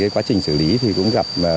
quá trình xử lý thì cũng gặp